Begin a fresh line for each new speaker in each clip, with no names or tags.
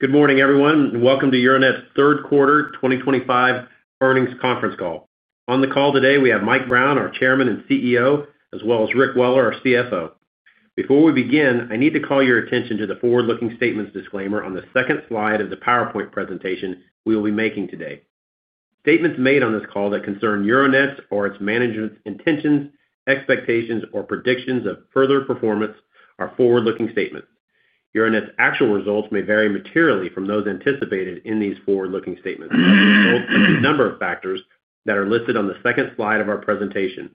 Good morning, everyone, and welcome to Euronet's third quarter 2025 earnings conference call. On the call today, we have Mike Brown, our Chairman and CEO, as well as Rick Weller, our CFO. Before we begin, I need to call your attention to the forward-looking statements disclaimer on the second slide of the PowerPoint presentation we will be making today. Statements made on this call that concern Euronet or its management's intentions, expectations, or predictions of further performance are forward-looking statements. Euronet's actual results may vary materially from those anticipated in these forward-looking statements as a result of the number of factors that are listed on the second slide of our presentation.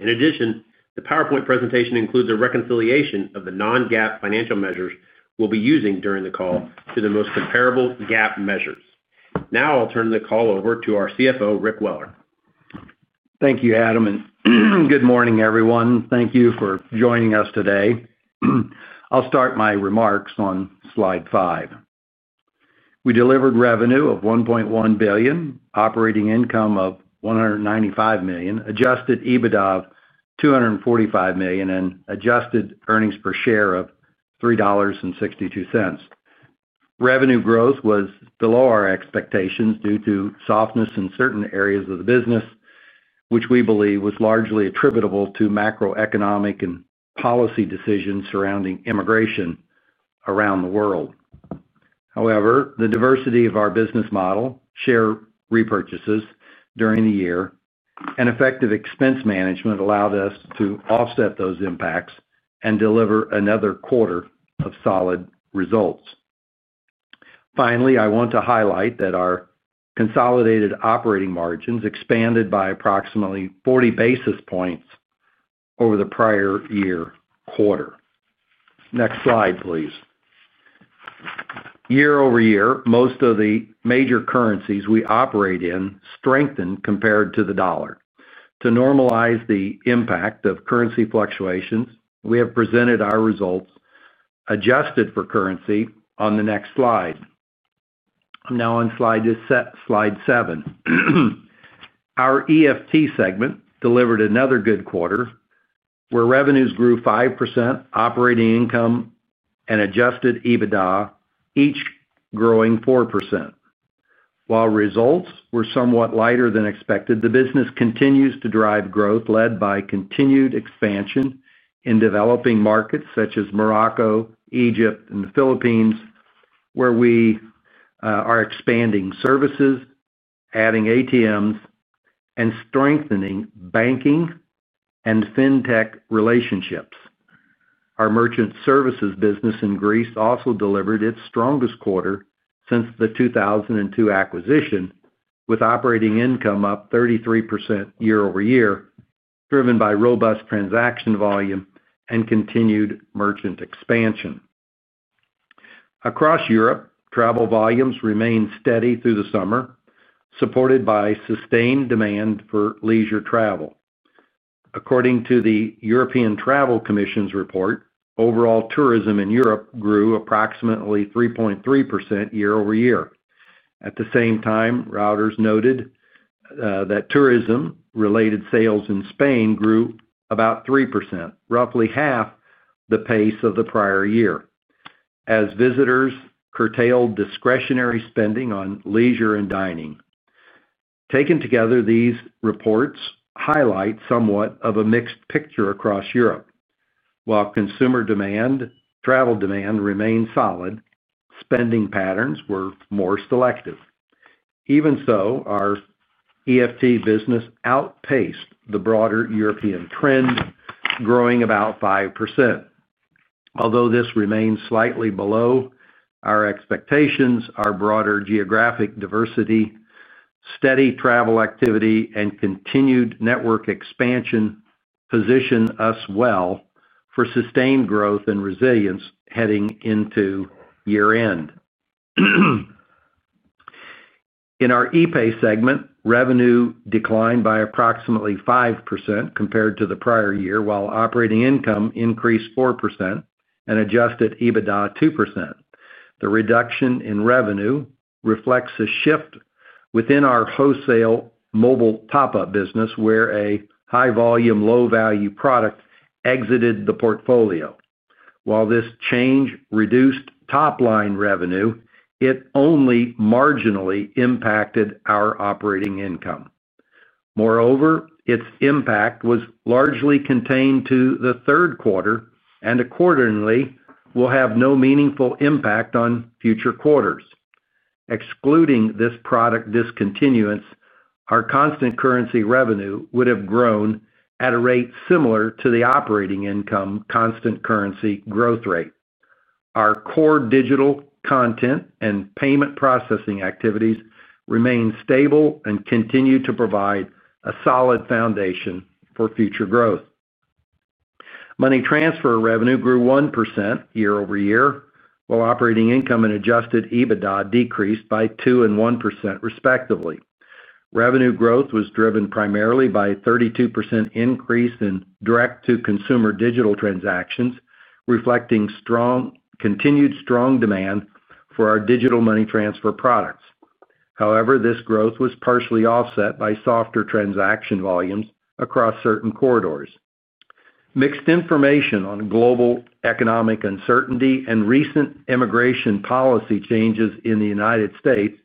In addition, the PowerPoint presentation includes a reconciliation of the non-GAAP financial measures we'll be using during the call to the most comparable GAAP measures. Now I'll turn the call over to our CFO, Rick Weller.
Thank you, Adam, and good morning, everyone. Thank you for joining us today. I'll start my remarks on slide five. We delivered revenue of $1.1 billion, operating income of $195 million, adjusted EBITDA of $245 million, and adjusted earnings per share of $3.62. Revenue growth was below our expectations due to softness in certain areas of the business, which we believe was largely attributable to macroeconomic and policy decisions surrounding immigration around the world. However, the diversity of our business model, share repurchases during the year, and effective expense management allowed us to offset those impacts and deliver another quarter of solid results. Finally, I want to highlight that our consolidated operating margins expanded by approximately 40 basis points over the prior year quarter. Next slide, please. Year-over-year, most of the major currencies we operate in strengthened compared to the dollar. To normalize the impact of currency fluctuations, we have presented our results adjusted for currency on the next slide. I'm now on slide seven. Our EFT segment delivered another good quarter where revenues grew 5%, operating income and adjusted EBITDA each growing 4%. While results were somewhat lighter than expected, the business continues to drive growth led by continued expansion in developing markets such as Morocco, Egypt, and the Philippines, where we are expanding services, adding ATMs, and strengthening banking and fintech relationships. Our merchant services business in Greece also delivered its strongest quarter since the 2002 acquisition, with operating income up 33% year-over-year, driven by robust transaction volume and continued merchant expansion. Across Europe, travel volumes remained steady through the summer, supported by sustained demand for leisure travel. According to the European Travel Commission's report, overall tourism in Europe grew approximately 3.3% year-over-year. At the same time, Reuters noted that tourism-related sales in Spain grew about 3%, roughly half the pace of the prior year, as visitors curtailed discretionary spending on leisure and dining. Taken together, these reports highlight somewhat of a mixed picture across Europe. While consumer demand and travel demand remained solid, spending patterns were more selective. Even so, our EFT business outpaced the broader European trend, growing about 5%. Although this remains slightly below our expectations, our broader geographic diversity, steady travel activity, and continued network expansion position us well for sustained growth and resilience heading into year-end. In our epay segment, revenue declined by approximately 5% compared to the prior year, while operating income increased 4% and adjusted EBITDA 2%. The reduction in revenue reflects a shift within our wholesale mobile top-up business, where a high-volume, low-value product exited the portfolio. While this change reduced top-line revenue, it only marginally impacted our operating income. Moreover, its impact was largely contained to the third quarter and accordingly will have no meaningful impact on future quarters. Excluding this product discontinuance, our constant currency revenue would have grown at a rate similar to the operating income constant currency growth rate. Our core digital content and payment processing activities remain stable and continue to provide a solid foundation for future growth. Money transfer revenue grew 1% year-over-year, while operating income and adjusted EBITDA decreased by 2% and 1% respectively. Revenue growth was driven primarily by a 32% increase in direct-to-consumer digital transactions, reflecting continued strong demand for our digital money transfer products. However, this growth was partially offset by softer transaction volumes across certain corridors. Mixed information on global economic uncertainty and recent immigration policy changes in the United States,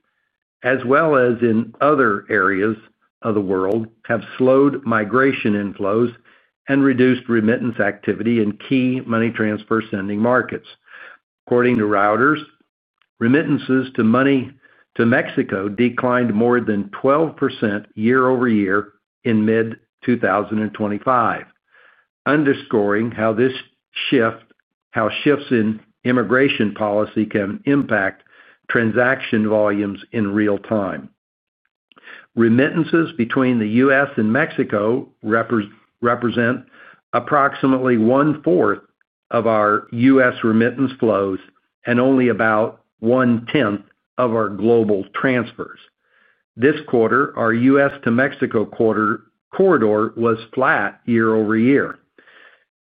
as well as in other areas of the world, have slowed migration inflows and reduced remittance activity in key money transfer sending markets. According to Reuters, remittances to Mexico declined more than 12% year-over-year in mid-2025, underscoring how this shift in immigration policy can impact transaction volumes in real time. Remittances between the U.S. and Mexico represent approximately one-fourth of our U.S. remittance flows and only about 1/10 of our global transfers. This quarter, our U.S. to Mexico corridor was flat year-over-year.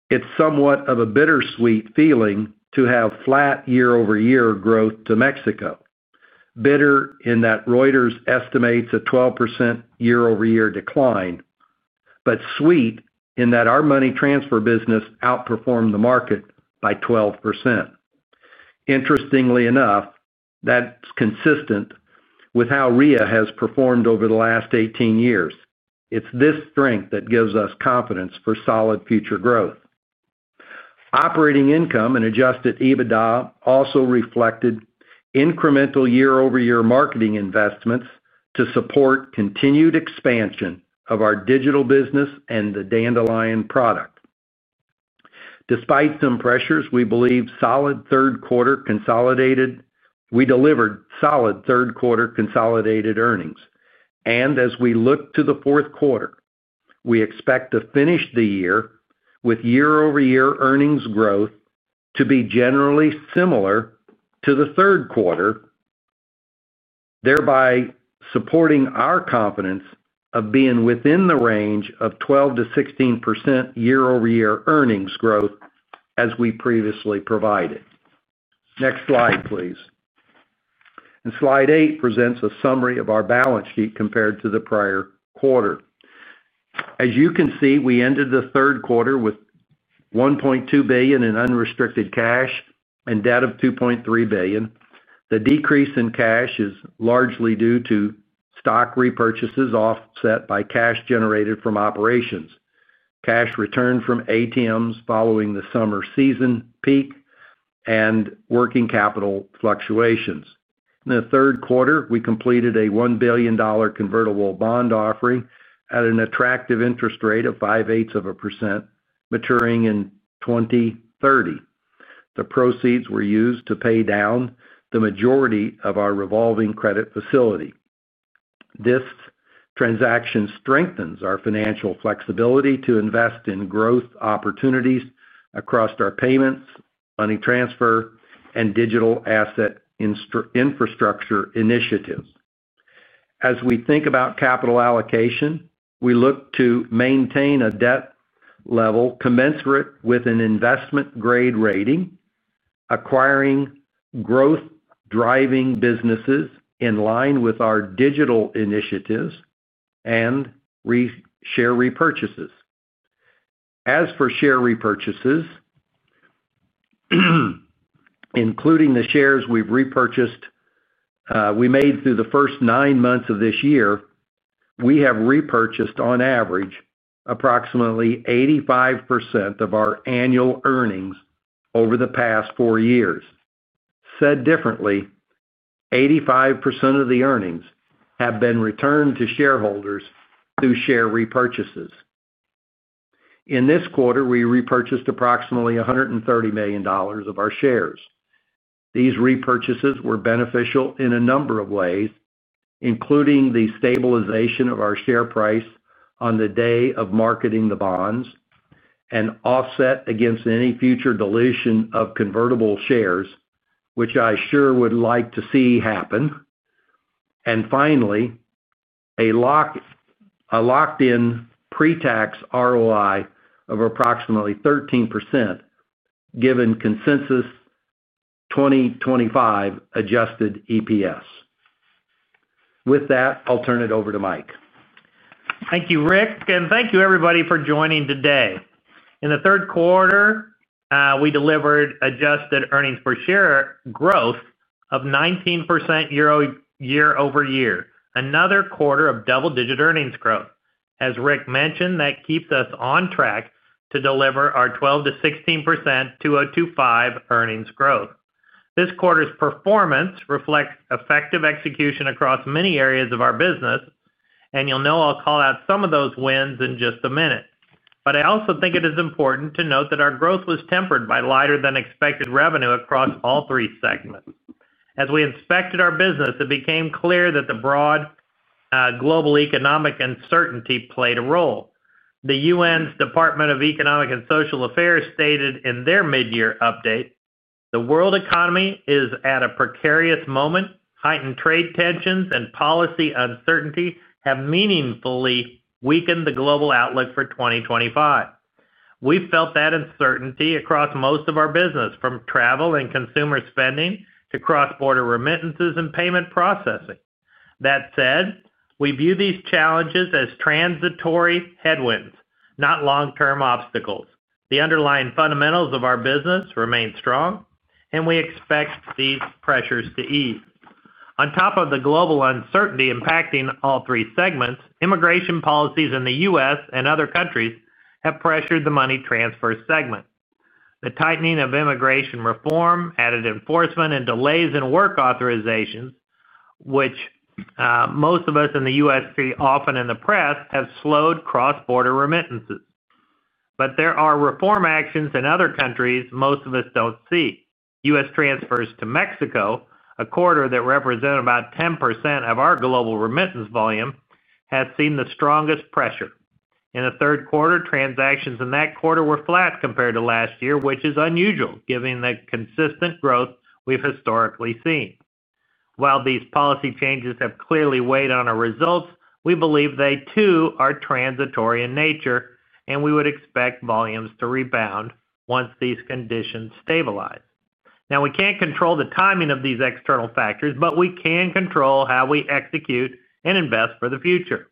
It's somewhat of a bittersweet feeling to have flat year-over-year growth to Mexico, bitter in that Reuters estimates a 12% year-over-year decline, but sweet in that our money transfer business outperformed the market by 12%. Interestingly enough, that's consistent with how Ria has performed over the last 18 years. It's this strength that gives us confidence for solid future growth. Operating income and adjusted EBITDA also reflected incremental year-over-year marketing investments to support continued expansion of our digital business and the Dandelion product. Despite some pressures, we believe solid third quarter consolidated earnings and, as we look to the fourth quarter, we expect to finish the year with year-over-year earnings growth to be generally similar to the third quarter, thereby supporting our confidence of being within the range of 12%-16% year-over-year earnings growth as we previously provided. Next slide, please. Slide eight presents a summary of our balance sheet compared to the prior quarter. As you can see, we ended the third quarter with $1.2 billion in unrestricted cash and debt of $2.3 billion. The decrease in cash is largely due to stock repurchases offset by cash generated from operations, cash returned from ATMs following the summer season peak, and working capital fluctuations. In the third quarter, we completed a $1 billion convertible bond offering at an attractive interest rate of 0.625%, maturing in 2030. The proceeds were used to pay down the majority of our revolving credit facility. This transaction strengthens our financial flexibility to invest in growth opportunities across our payments, money transfer, and digital asset infrastructure initiatives. As we think about capital allocation, we look to maintain a debt level commensurate with an investment grade rating, acquiring growth-driving businesses in line with our digital initiatives and share repurchases. As for share repurchases, including the shares we've repurchased, we made through the first nine months of this year, we have repurchased on average approximately 85% of our annual earnings over the past four years. Said differently, 85% of the earnings have been returned to shareholders through share repurchases. In this quarter, we repurchased approximately $130 million of our shares. These repurchases were beneficial in a number of ways, including the stabilization of our share price on the day of marketing the bonds and offset against any future dilution of convertible shares, which I sure would like to see happen. Finally, a locked-in pre-tax ROI of approximately 13% given consensus 2025 adjusted EPS. With that, I'll turn it over to Mike.
Thank you, Rick, and thank you, everybody, for joining today. In the third quarter, we delivered adjusted earnings per share growth of 19% year-over-year, another quarter of double-digit earnings growth. As Rick mentioned, that keeps us on track to deliver our 12%-16% 2025 earnings growth. This quarter's performance reflects effective execution across many areas of our business, and you'll know I'll call out some of those wins in just a minute. I also think it is important to note that our growth was tempered by lighter-than-expected revenue across all three segments. As we inspected our business, it became clear that the broad global economic uncertainty played a role. The UN's Department of Economic and Social Affairs stated in their mid-year update, "The world economy is at a precarious moment. Heightened trade tensions and policy uncertainty have meaningfully weakened the global outlook for 2025." We felt that uncertainty across most of our business, from travel and consumer spending to cross-border remittances and payment processing. That said, we view these challenges as transitory headwinds, not long-term obstacles. The underlying fundamentals of our business remain strong, and we expect these pressures to ease. On top of the global uncertainty impacting all three segments, immigration policies in the U.S. and other countries have pressured the money transfer segment. The tightening of immigration reform, added enforcement, and delays in work authorizations, which most of us in the U.S. see often in the press, have slowed cross-border remittances. There are reform actions in other countries most of us don't see. U.S. transfers to Mexico, a quarter that represents about 10% of our global remittance volume, has seen the strongest pressure. In the third quarter, transactions in that quarter were flat compared to last year, which is unusual given the consistent growth we've historically seen. While these policy changes have clearly weighed on our results, we believe they, too, are transitory in nature, and we would expect volumes to rebound once these conditions stabilize. We can't control the timing of these external factors, but we can control how we execute and invest for the future.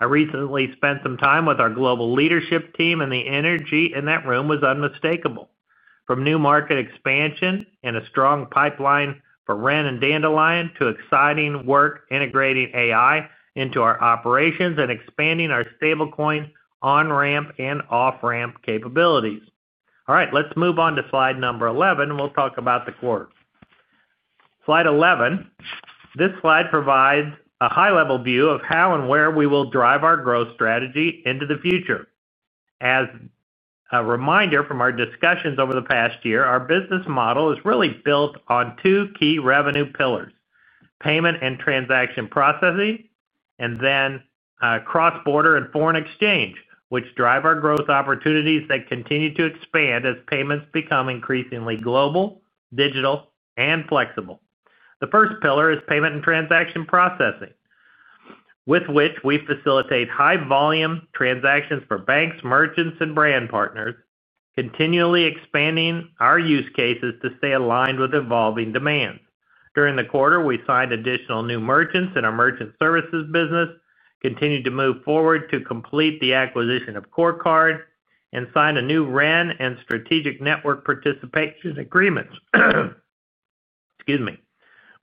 I recently spent some time with our global leadership team, and the energy in that room was unmistakable. From new market expansion and a strong pipeline for Ren and Dandelion to exciting work integrating AI into our operations and expanding our stablecoin on-ramp and off-ramp capabilities. All right, let's move on to slide number 11, and we'll talk about the quarter. Slide 11. This slide provides a high-level view of how and where we will drive our growth strategy into the future. As a reminder from our discussions over the past year, our business model is really built on two key revenue pillars: payment and transaction processing, and then cross-border and foreign exchange, which drive our growth opportunities that continue to expand as payments become increasingly global, digital, and flexible. The first pillar is payment and transaction processing, with which we facilitate high-volume transactions for banks, merchants, and brand partners, continually expanding our use cases to stay aligned with evolving demands. During the quarter, we signed additional new merchants in our merchant services business, continued to move forward to complete the acquisition of CoreCard, and signed a new Ren and strategic network participation agreement.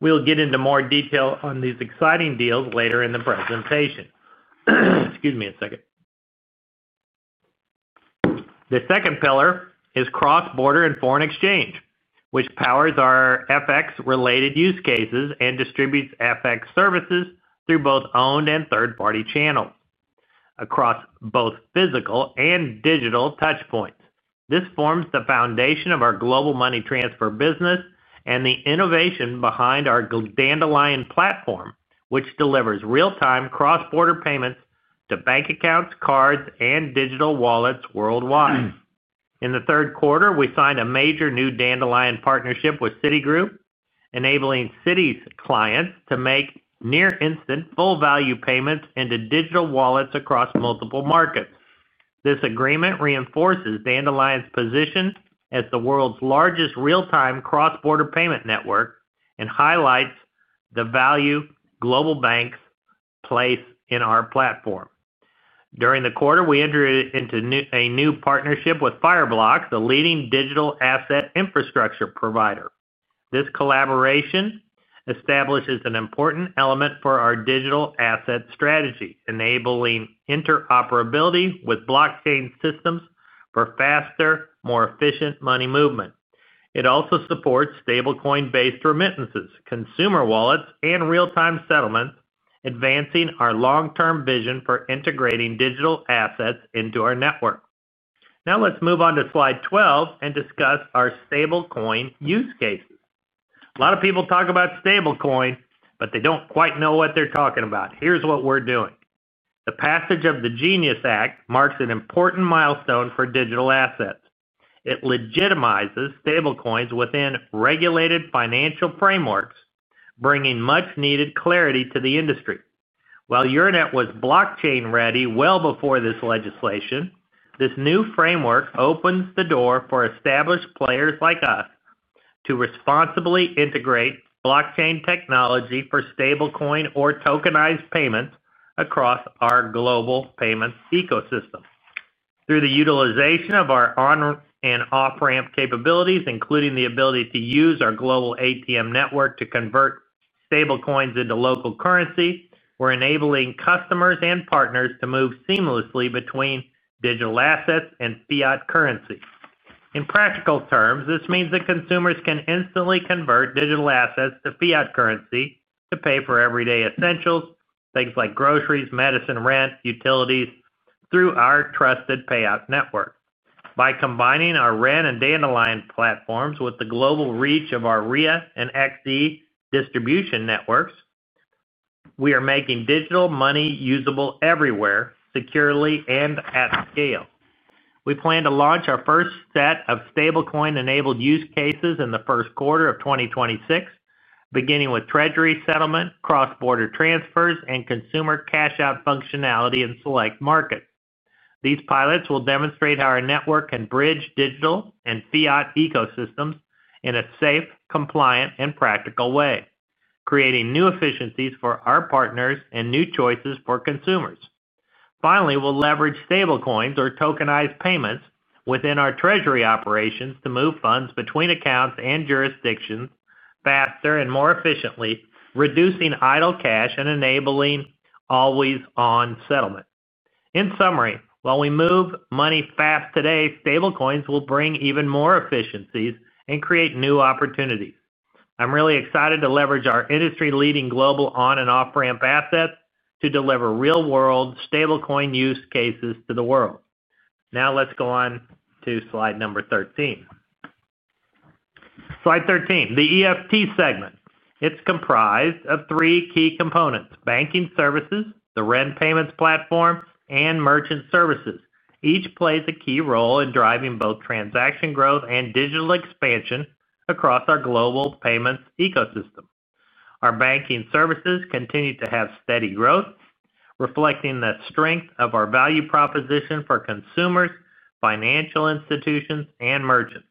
We'll get into more detail on these exciting deals later in the presentation. The second pillar is cross-border and foreign exchange, which powers our FX-related use cases and distributes FX services through both owned and third-party channels across both physical and digital touchpoints. This forms the foundation of our global money transfer business and the innovation behind our Dandelion platform, which delivers real-time cross-border payments to bank accounts, cards, and digital wallets worldwide. In the third quarter, we signed a major new Dandelion partnership with Citigroup, enabling Citi's clients to make near-instant full-value payments into digital wallets across multiple markets. This agreement reinforces Dandelion's position as the world's largest real-time cross-border payment network and highlights the value global banks place in our platform. During the quarter, we entered into a new partnership with Fireblocks, the leading digital asset infrastructure provider. This collaboration establishes an important element for our digital asset strategy, enabling interoperability with blockchain systems for faster, more efficient money movement. It also supports stablecoin-based remittances, consumer wallets, and real-time settlements, advancing our long-term vision for integrating digital assets into our network. Now let's move on to slide 12 and discuss our stablecoin use cases. A lot of people talk about stablecoin, but they don't quite know what they're talking about. Here's what we're doing. The passage of the Genius Act marks an important milestone for digital assets. It legitimizes stablecoins within regulated financial frameworks, bringing much-needed clarity to the industry. While Euronet was blockchain-ready well before this legislation, this new framework opens the door for established players like us to responsibly integrate blockchain technology for stablecoin or tokenized payments across our global payment ecosystem. Through the utilization of our on-ramp and off-ramp capabilities, including the ability to use our global ATM network to convert stablecoins into local currency, we're enabling customers and partners to move seamlessly between digital assets and fiat currency. In practical terms, this means that consumers can instantly convert digital assets to fiat currency to pay for everyday essentials, things like groceries, medicine, rent, utilities, through our trusted payout network. By combining our Ren and Dandelion platforms with the global reach of our Ria and XE distribution networks, we are making digital money usable everywhere, securely and at scale. We plan to launch our first set of stablecoin-enabled use cases in the first quarter of 2026, beginning with treasury settlement, cross-border transfers, and consumer cash-out functionality in select markets. These pilots will demonstrate how our network can bridge digital and fiat ecosystems in a safe, compliant, and practical way, creating new efficiencies for our partners and new choices for consumers. Finally, we'll leverage stablecoins or tokenized payments within our treasury operations to move funds between accounts and jurisdictions faster and more efficiently, reducing idle cash and enabling always-on settlement. In summary, while we move money fast today, stablecoins will bring even more efficiencies and create new opportunities. I'm really excited to leverage our industry-leading global on- and off-ramp assets to deliver real-world stablecoin use cases to the world. Now let's go on to slide number 13. Slide 13, the EFT segment. It's comprised of three key components: banking services, the Ren Payments platform, and merchant services. Each plays a key role in driving both transaction growth and digital expansion across our global payments ecosystem. Our banking services continue to have steady growth, reflecting the strength of our value proposition for consumers, financial institutions, and merchants.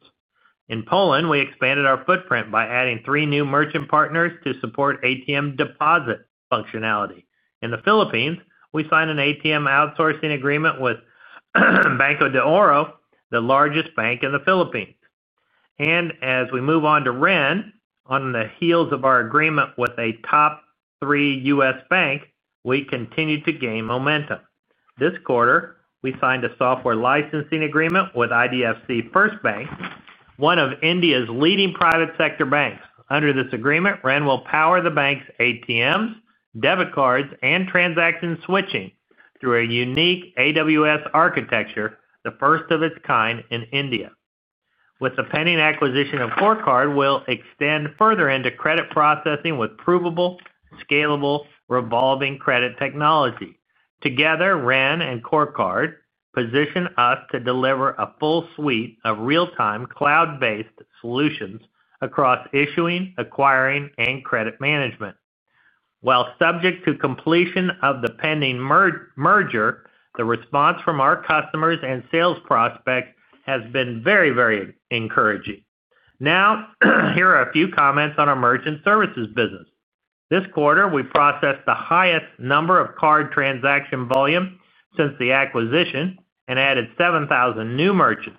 In Poland, we expanded our footprint by adding three new merchant partners to support ATM deposit functionality. In the Philippines, we signed an ATM outsourcing agreement with Banco de Oro, the largest bank in the Philippines. As we move on to Ren, on the heels of our agreement with a top three U.S. bank, we continue to gain momentum. This quarter, we signed a software licensing agreement with IDFC First Bank, one of India's leading private sector banks. Under this agreement, Ren will power the bank's ATMs, debit cards, and transaction switching through a unique AWS architecture, the first of its kind in India. With the pending acquisition of CoreCard, we'll extend further into credit processing with provable, scalable, revolving credit technology. Together, Ren and CoreCard position us to deliver a full suite of real-time cloud-based solutions across issuing, acquiring, and credit management. While subject to completion of the pending merger, the response from our customers and sales prospects has been very, very encouraging. Now, here are a few comments on our merchant services business. This quarter, we processed the highest number of card transaction volume since the acquisition and added 7,000 new merchants.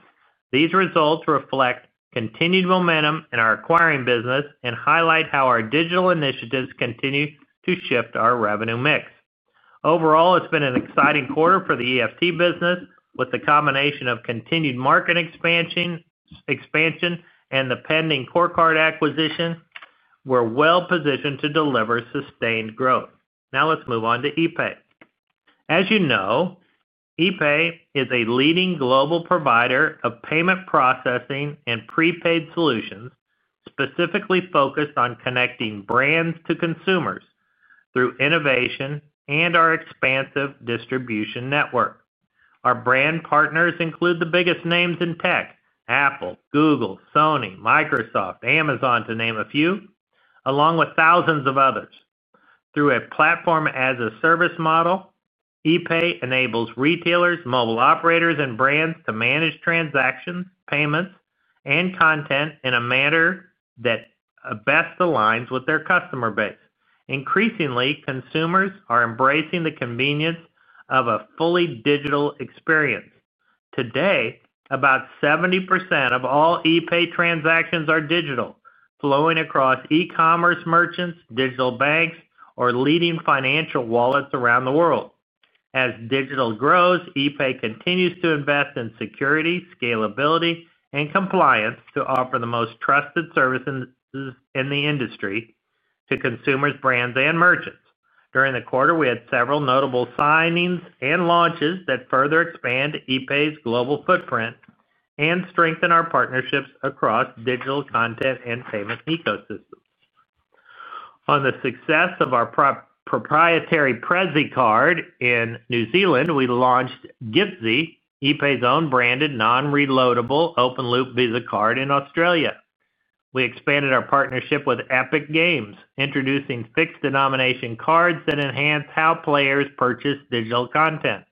These results reflect continued momentum in our acquiring business and highlight how our digital initiatives continue to shift our revenue mix. Overall, it's been an exciting quarter for the EFT business. With the combination of continued market expansion and the pending CoreCard acquisition, we're well positioned to deliver sustained growth. Now let's move on to epay. As you know, epay is a leading global provider of payment processing and prepaid solutions specifically focused on connecting brands to consumers through innovation and our expansive distribution network. Our brand partners include the biggest names in tech: Apple, Google, Sony, Microsoft, Amazon, to name a few, along with thousands of others. Through a platform-as-a-service model, epay enables retailers, mobile operators, and brands to manage transactions, payments, and content in a manner that best aligns with their customer base. Increasingly, consumers are embracing the convenience of a fully digital experience. Today, about 70% of all epay transactions are digital, flowing across e-commerce merchants, digital banks, or leading financial wallets around the world. As digital grows, epay continues to invest in security, scalability, and compliance to offer the most trusted services in the industry to consumers, brands, and merchants. During the quarter, we had several notable signings and launches that further expand epay's global footprint and strengthen our partnerships across digital content and payment ecosystems. On the success of our proprietary Prezzy card in New Zealand, we launched [Gipsey], epay's own branded non-reloadable open-loop Visa card in Australia. We expanded our partnership with Epic Games, introducing fixed denomination cards that enhance how players purchase digital content.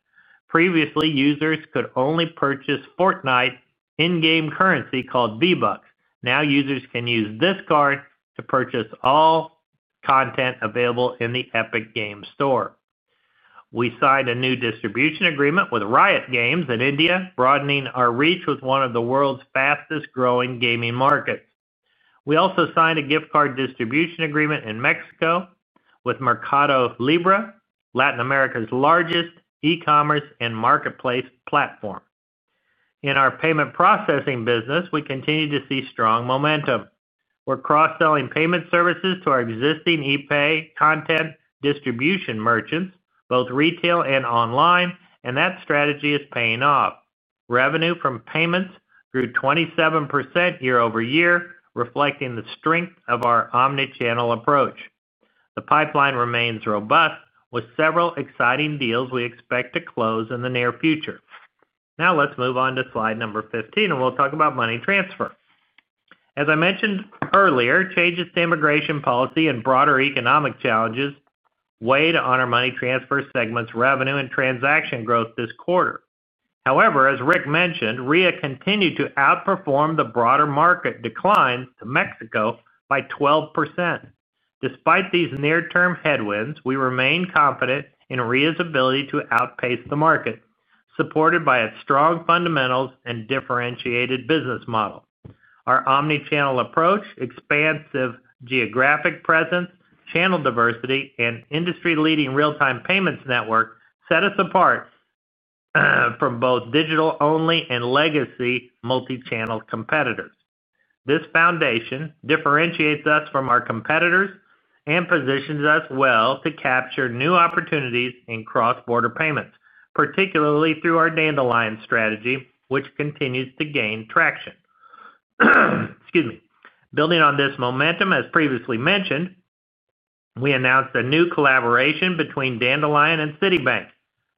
Previously, users could only purchase Fortnite in-game currency called V-Bucks. Now users can use this card to purchase all content available in the Epic Games Store. We signed a new distribution agreement with Riot Games in India, broadening our reach with one of the world's fastest-growing gaming markets. We also signed a gift card distribution agreement in Mexico with Mercado Libre, Latin America's largest e-commerce and marketplace platform. In our payment processing business, we continue to see strong momentum. We're cross-selling payment services to our existing epay content distribution merchants, both retail and online, and that strategy is paying off. Revenue from payments grew 27% year-over-year, reflecting the strength of our omnichannel approach. The pipeline remains robust, with several exciting deals we expect to close in the near future. Now let's move on to slide number 15, and we'll talk about money transfer. As I mentioned earlier, changes to immigration policy and broader economic challenges weighed on our money transfer segment's revenue and transaction growth this quarter. However, as Rick mentioned, Ria continued to outperform the broader market declines to Mexico by 12%. Despite these near-term headwinds, we remain confident Ria's ability to outpace the market, supported by its strong fundamentals and differentiated business model. Our omnichannel approach, expansive geographic presence, channel diversity, and industry-leading real-time payments network set us apart from both digital-only and legacy multichannel competitors. This foundation differentiates us from our competitors and positions us well to capture new opportunities in cross-border payments, particularly through our Dandelion strategy, which continues to gain traction. Building on this momentum, as previously mentioned, we announced a new collaboration between Dandelion and Citigroup.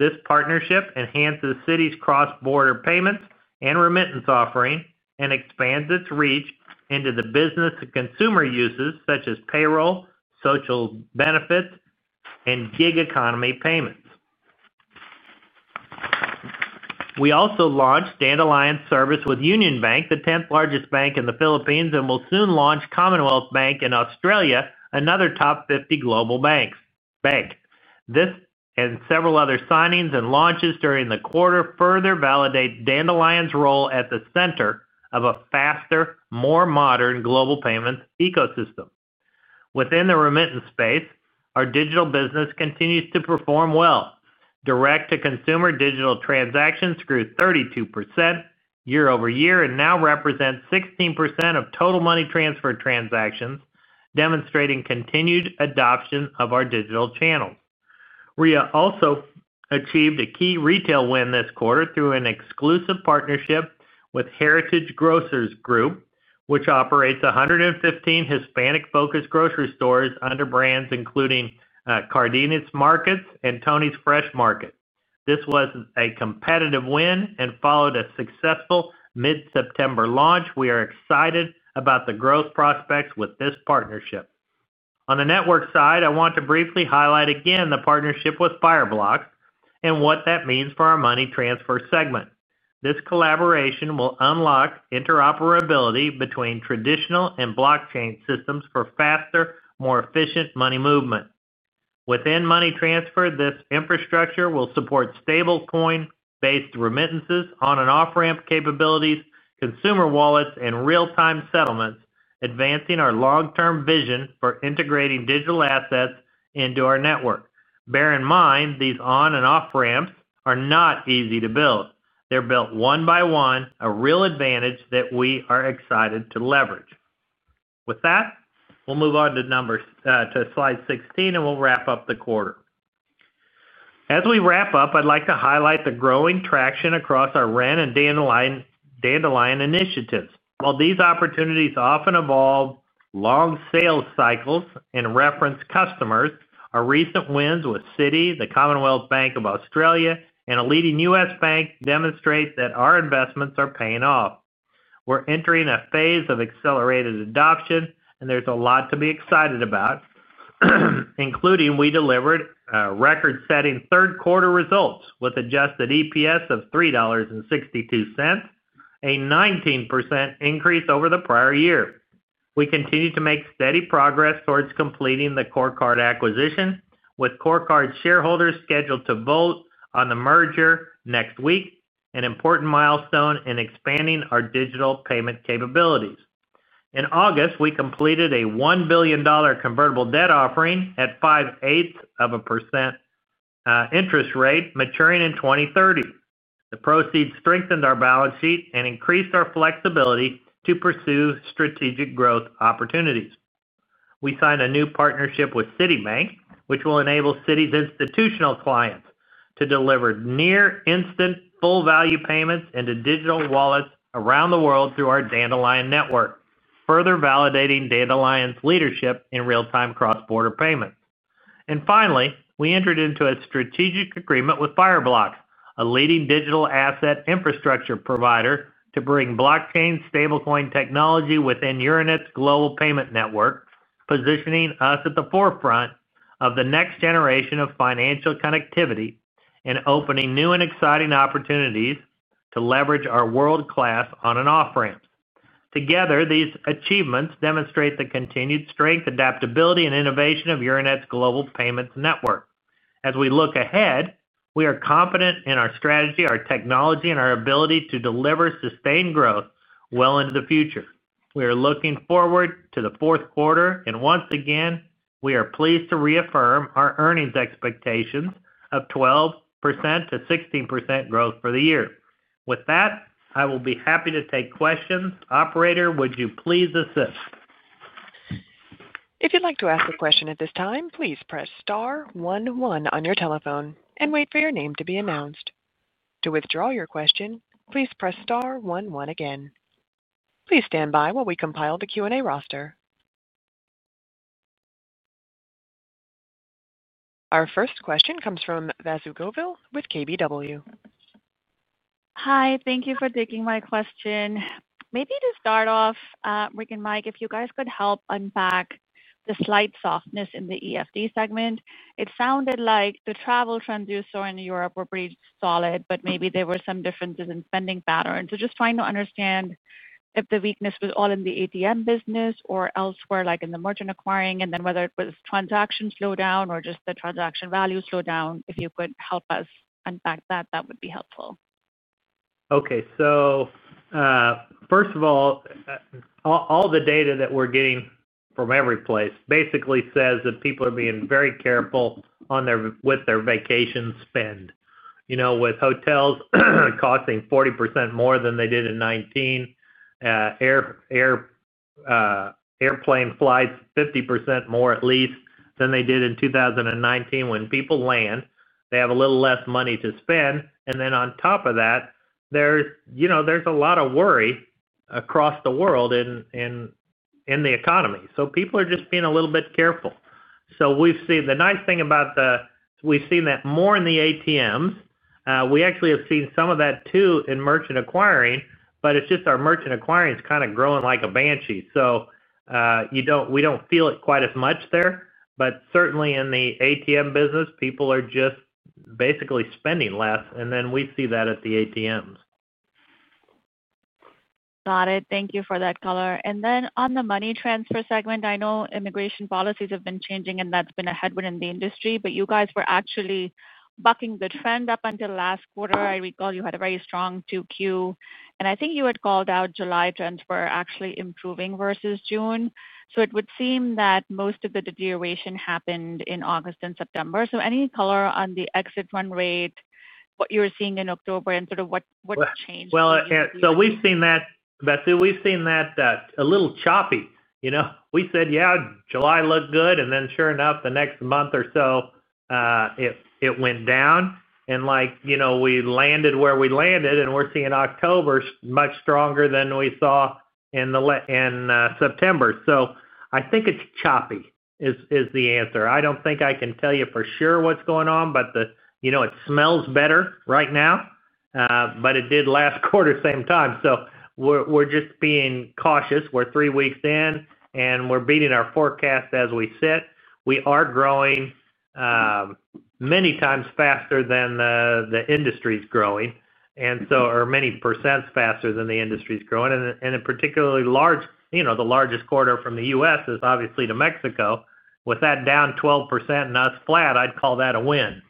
This partnership enhances Citi's cross-border payments and remittance offering and expands its reach into the business of consumer uses such as payroll, social benefits, and gig economy payments. We also launched Dandelion's service with Union Bank, the 10th largest bank in the Philippines, and will soon launch Commonwealth Bank in Australia, another top 50 global bank. This and several other signings and launches during the quarter further validate Dandelion's role at the center of a faster, more modern global payments ecosystem. Within the remittance space, our digital business continues to perform well. Direct-to-consumer digital transactions grew 32% year-over-year and now represent 16% of total money transfer transactions, demonstrating continued adoption of our digital channels. Ria also achieved a key retail win this quarter through an exclusive partnership with Heritage Grocers Group, which operates 115 Hispanic-focused grocery stores under brands including Cardenas Markets and Tony's Fresh Market. This was a competitive win and followed a successful mid-September launch. We are excited about the growth prospects with this partnership. On the network side, I want to briefly highlight again the partnership with Fireblocks and what that means for our money transfer segment. This collaboration will unlock interoperability between traditional and blockchain systems for faster, more efficient money movement. Within money transfer, this infrastructure will support stablecoin-based remittances, on- and off-ramp capabilities, consumer wallets, and real-time settlements, advancing our long-term vision for integrating digital assets into our network. Bear in mind, these on- and off-ramps are not easy to build. They're built one by one. A real advantage that we are excited to leverage. With that, we'll move on to slide 16, and we'll wrap up the quarter. As we wrap up, I'd like to highlight the growing traction across our Ren and Dandelion initiatives. While these opportunities often involve long sales cycles and reference customers, our recent wins with Citi, the Commonwealth Bank of Australia, and a leading U.S. bank demonstrate that our investments are paying off. We're entering a phase of accelerated adoption, and there's a lot to be excited about, including we delivered record-setting third-quarter results with adjusted EPS of $3.62, a 19% increase over the prior year. We continue to make steady progress towards completing the CoreCard acquisition, with CoreCard shareholders scheduled to vote on the merger next week, an important milestone in expanding our digital payment capabilities. In August, we completed a $1 billion convertible debt offering at 0.625% interest rate, maturing in 2030. The proceeds strengthened our balance sheet and increased our flexibility to pursue strategic growth opportunities. We signed a new partnership with Citigroup, which will enable Citi's institutional clients to deliver near-instant full-value payments into digital wallets around the world through our Dandelion network, further validating Dandelion's leadership in real-time cross-border payments. Finally, we entered into a strategic agreement with Fireblocks, a leading digital asset infrastructure provider, to bring blockchain stablecoin technology within Euronet's global payment network, positioning us at the forefront of the next generation of financial connectivity and opening new and exciting opportunities to leverage our world-class on- and off-ramps. Together, these achievements demonstrate the continued strength, adaptability, and innovation of Euronet's global payments network. As we look ahead, we are confident in our strategy, our technology, and our ability to deliver sustained growth well into the future. We are looking forward to the fourth quarter, and once again, we are pleased to reaffirm our earnings expectations of 12%-16% growth for the year. With that, I will be happy to take questions. Operator, would you please assist?
If you'd like to ask a question at this time, please star one one on your telephone and wait for your name to be announced. To withdraw your question, please star one one again. Please stand by while we compile the Q&A roster. Our first question comes from Vasu Govil with KBW.
Hi, thank you for taking my question. Maybe to start off, Rick and Mike, if you guys could help unpack the slight softness in the EFT segment. It sounded like the travel trends you saw in Europe were pretty solid, but maybe there were some differences in spending patterns. Just trying to understand if the weakness was all in the ATM business or elsewhere, like in the merchant acquiring, and then whether it was transaction slowdown or just the transaction value slowdown. If you could help us unpack that, that would be helpful.
Okay, so first of all, all the data that we're getting from every place basically says that people are being very careful with their vacation spend. You know, with hotels costing 40% more than they did in 2019, airplane flights 50% more at least than they did in 2019. When people land, they have a little less money to spend. On top of that, there's a lot of worry across the world in the economy. People are just being a little bit careful. We've seen the nice thing about the, we've seen that more in the ATMs. We actually have seen some of that, too, in merchant acquiring, but our merchant acquiring is kind of growing like a banshee. You don't, we don't feel it quite as much there. Certainly in the ATM business, people are just basically spending less. We see that at the ATMs.
Got it. Thank you for that color. On the money transfer segment, I know immigration policies have been changing, and that's been a headwind in the industry. You guys were actually bucking the trend up until last quarter. I recall you had a very strong 2Q, and I think you had called out July trends were actually improving versus June. It would seem that most of the deterioration happened in August and September. Any color on the exit run rate, what you were seeing in October, and sort of what changed?
We have seen that, Vasu, we've seen that a little choppy. We said, yeah, July looked good. Sure enough, the next month or so, it went down. We landed where we landed, and we're seeing October much stronger than we saw in September. I think it's choppy is the answer. I don't think I can tell you for sure what's going on, but it smells better right now. It did last quarter at the same time. We are just being cautious. We're three weeks in, and we're beating our forecast as we sit. We are growing many times faster than the industry is growing, or many percent faster than the industry is growing. In a particularly large, the largest quarter from the U.S. is obviously to Mexico. With that down 12% and us flat, I'd call that a win.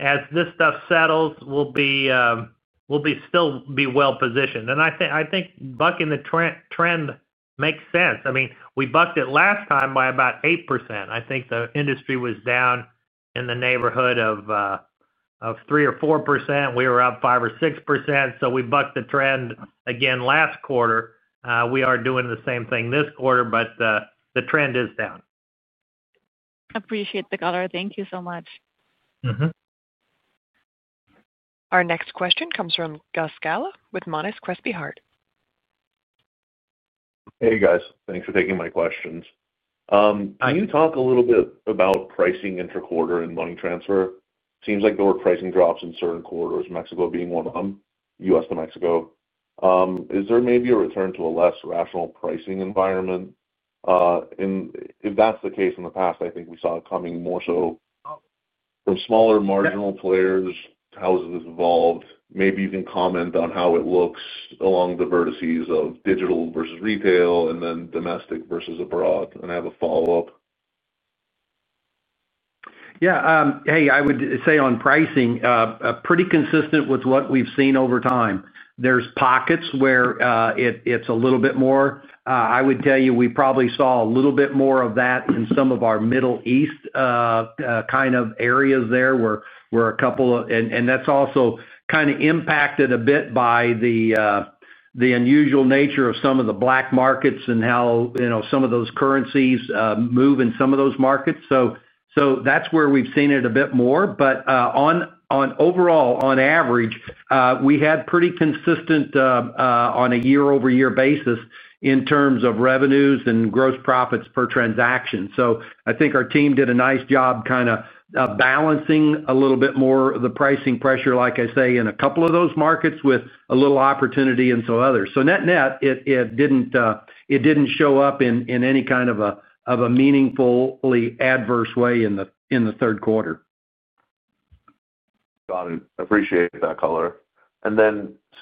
As this stuff settles, we'll still be well positioned. I think bucking the trend makes sense. We bucked it last time by about 8%. I think the industry was down in the neighborhood of 3% or 4%. We were up 5% or 6%. We bucked the trend again last quarter. We are doing the same thing this quarter, but the trend is down.
Appreciate that, color. Thank you so much.
Our next question comes from Gus Galá with Monness, Crespi, Hardt.
Hey, guys, thanks for taking my questions. Can you talk a little bit about pricing interquarter in money transfer? It seems like there were pricing drops in certain quarters, Mexico being one of them, U.S. to Mexico. Is there maybe a return to a less rational pricing environment? If that's the case, in the past, I think we saw it coming more so from smaller marginal players. How has this evolved? Maybe you can comment on how it looks along the vertices of digital versus retail and then domestic versus abroad, and I have a follow-up.
Yeah, hey, I would say on pricing, pretty consistent with what we've seen over time. There are pockets where it's a little bit more. I would tell you we probably saw a little bit more of that in some of our Middle East areas where a couple of, and that's also kind of impacted a bit by the unusual nature of some of the black markets and how some of those currencies move in some of those markets. That's where we've seen it a bit more. Overall, on average, we had pretty consistent on a year-over-year basis in terms of revenues and gross profits per transaction. I think our team did a nice job kind of balancing a little bit more of the pricing pressure, like I say, in a couple of those markets with a little opportunity in some others. Net-net, it didn't show up in any kind of a meaningfully adverse way in the third quarter.
Got it. Appreciate that, color.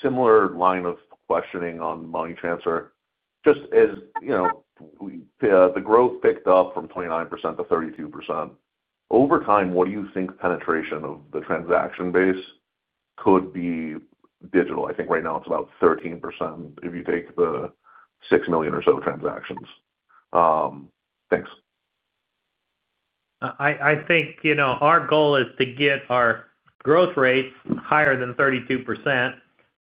Similar line of questioning on money transfer. As the growth picked up from 29%-32%, over time, what do you think the penetration of the transaction base could be digital? I think right now it's about 13% if you take the 6 million or so transactions. Thanks.
I think our goal is to get our growth rates higher than 32%,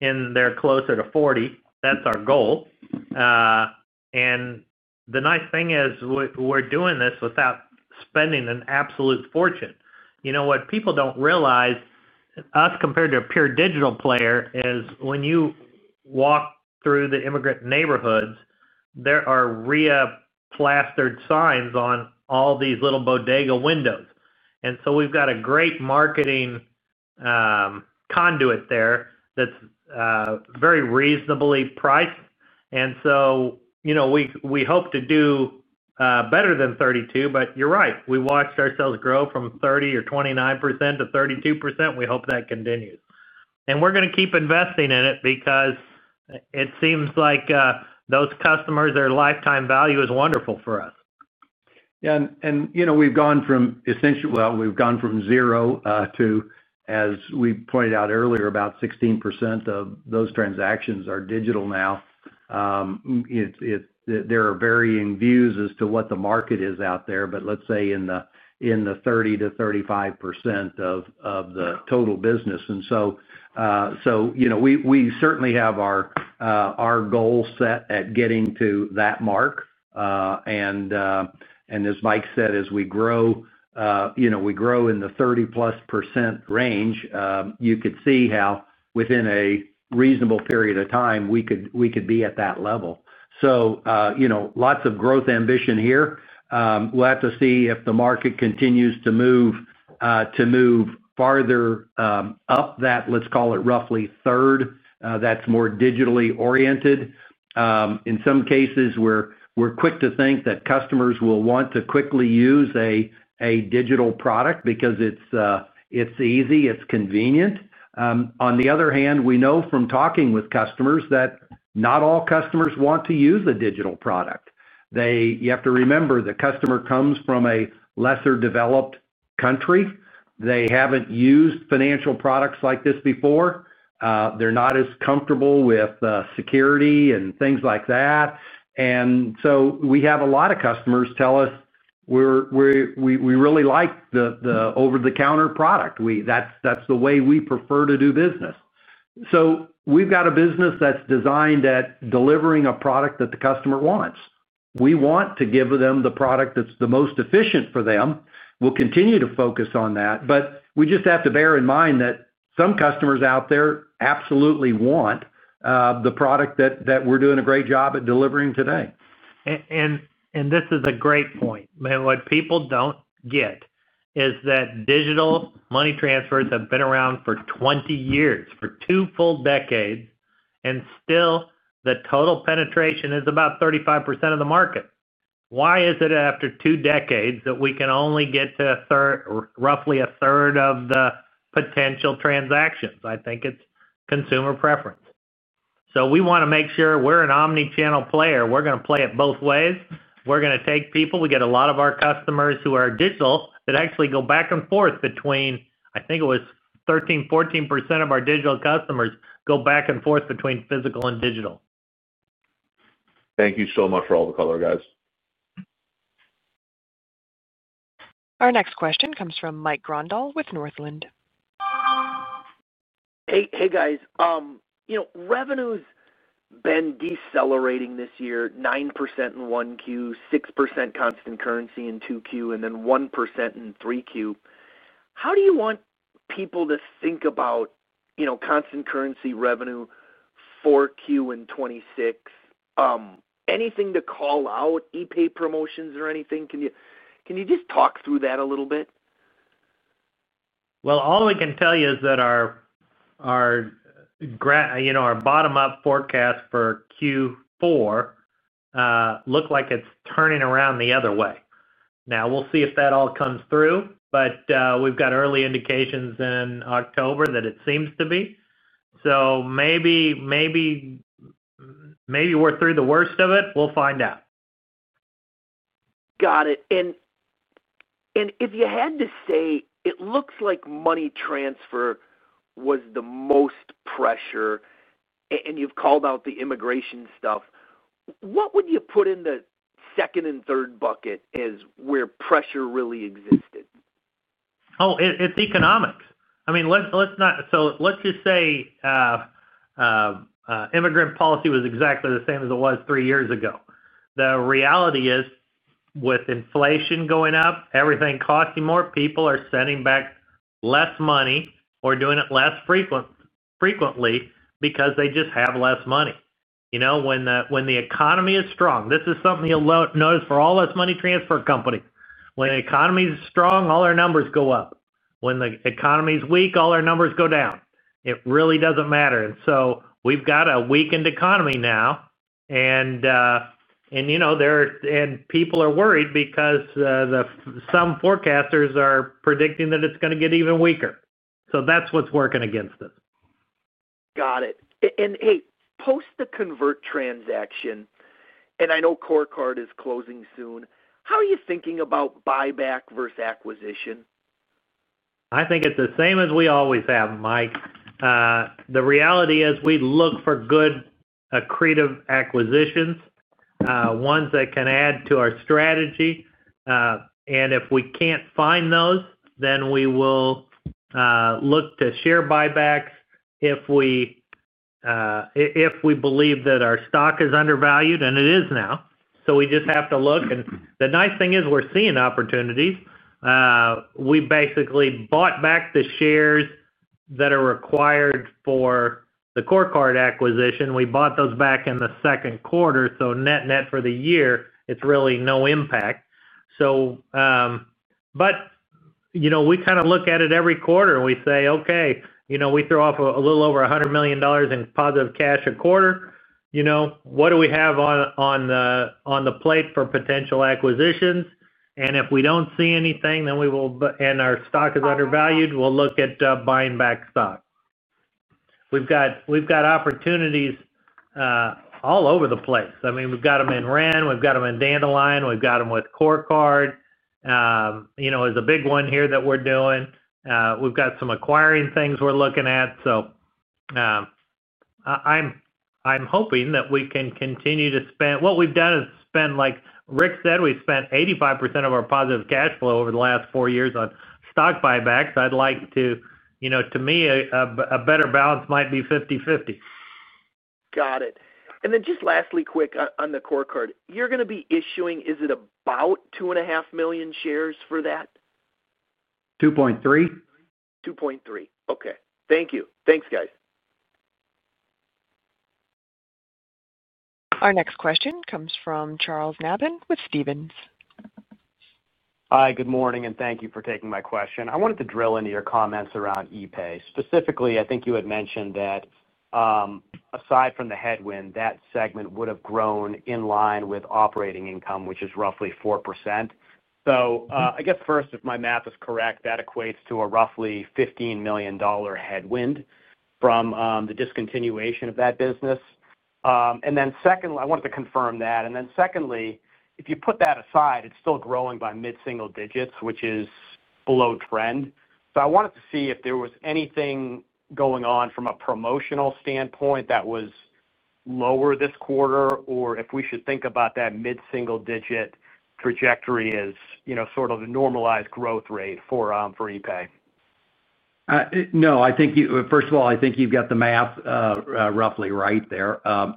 and they're closer to 40%. That's our goal. The nice thing is we're doing this without spending an absolute fortune. What people don't realize compared to a pure digital player is when you walk through the immigrant neighborhoods, there are Ria plastered signs on all these little bodega windows. We've got a great marketing conduit there that's very reasonably priced. We hope to do better than 32%, but you're right. We watched ourselves grow from 30% or 29%-32%. We hope that continues, and we're going to keep investing in it because it seems like those customers, their lifetime value is wonderful for us.
Yeah, and you know, we've gone from essentially zero to, as we pointed out earlier, about 16% of those transactions are digital now. There are varying views as to what the market is out there, but let's say in the 30%-35% of the total business. We certainly have our goal set at getting to that mark. As Mike said, as we grow, you know, we grow in the 30%+ range, you could see how within a reasonable period of time we could be at that level. Lots of growth ambition here. We'll have to see if the market continues to move farther up that, let's call it roughly third, that's more digitally oriented. In some cases, we're quick to think that customers will want to quickly use a digital product because it's easy, it's convenient. On the other hand, we know from talking with customers that not all customers want to use a digital product. You have to remember the customer comes from a lesser developed country. They haven't used financial products like this before. They're not as comfortable with security and things like that. We have a lot of customers tell us we really like the over-the-counter product. That's the way we prefer to do business. We've got a business that's designed at delivering a product that the customer wants. We want to give them the product that's the most efficient for them. We'll continue to focus on that. We just have to bear in mind that some customers out there absolutely want the product that we're doing a great job at delivering today.
This is a great point. What people don't get is that digital money transfers have been around for 20 years, for two full decades, and still the total penetration is about 35% of the market. Why is it after two decades that we can only get to roughly a third of the potential transactions? I think it's consumer preference. We want to make sure we're an omnichannel player. We're going to play it both ways. We're going to take people. We get a lot of our customers who are digital that actually go back and forth between, I think it was 13%, 14% of our digital customers go back and forth between physical and digital.
Thank you so much for all the color, guys.
Our next question comes from Mike Grondahl with Northland.
Hey, guys, you know, revenue's been decelerating this year, 9% in 1Q, 6% constant currency in 2Q, and then 1% in 3Q. How do you want people to think about, you know, constant currency revenue 4Q and 2026? Anything to call out, epay promotions or anything? Can you just talk through that a little bit?
All we can tell you is that our bottom-up forecast for Q4 looked like it's turning around the other way. Now we'll see if that all comes through, but we've got early indications in October that it seems to be. Maybe we're through the worst of it. We'll find out.
Got it. If you had to say it looks like money transfer was the most pressure, and you've called out the immigration stuff, what would you put in the second and third bucket as where pressure really existed?
Oh, it's economics. Let's just say immigrant policy was exactly the same as it was three years ago. The reality is with inflation going up, everything costing more, people are sending back less money or doing it less frequently because they just have less money. You know, when the economy is strong, this is something you'll notice for all U.S. money transfer companies. When the economy is strong, all our numbers go up. When the economy is weak, all our numbers go down. It really doesn't matter. We've got a weakened economy now, and people are worried because some forecasters are predicting that it's going to get even weaker. That's what's working against us.
Got it. Post the convert transaction, and I know CoreCard is closing soon, how are you thinking about buyback versus acquisition?
I think it's the same as we always have, Mike. The reality is we look for good, creative acquisitions, ones that can add to our strategy. If we can't find those, then we will look to share buybacks if we believe that our stock is undervalued, and it is now. We just have to look. The nice thing is we're seeing opportunities. We basically bought back the shares that are required for the CoreCard acquisition. We bought those back in the second quarter. Net-net for the year, it's really no impact. You know, we kind of look at it every quarter and we say, okay, you know, we throw off a little over $100 million in positive cash a quarter. You know, what do we have on the plate for potential acquisitions? If we don't see anything, then we will, and our stock is undervalued, we'll look at buying back stock. We've got opportunities all over the place. I mean, we've got them in Ren, we've got them in Dandelion, we've got them with CoreCard, you know, is a big one here that we're doing. We've got some acquiring things we're looking at. I'm hoping that we can continue to spend, what we've done is spend, like Rick said, we spent 85% of our positive cash flow over the last four years on stock buybacks. I'd like to, you know, to me, a better balance might be 50/50.
Got it. Lastly, quick, on the CoreCard, you're going to be issuing, is it about 2.5 million shares for that?
2.3.
Okay. Thank you. Thanks, guys.
Our next question comes from Charles Nabhan with Stephens.
Hi, good morning, and thank you for taking my question. I wanted to drill into your comments around epay. Specifically, I think you had mentioned that aside from the headwind, that segment would have grown in line with operating income, which is roughly 4%. If my math is correct, that equates to a roughly $15 million headwind from the discontinuation of that business. I wanted to confirm that. If you put that aside, it's still growing by mid-single digits, which is below trend. I wanted to see if there was anything going on from a promotional standpoint that was lower this quarter, or if we should think about that mid-single digit trajectory as sort of a normalized growth rate for epay.
No, I think you, first of all, I think you've got the math roughly right there. As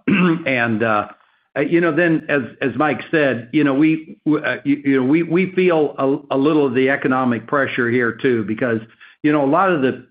Mike said, we feel a little of the economic pressure here too, because a lot of the